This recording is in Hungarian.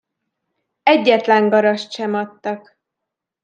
Egyetlen, garast sem adtak.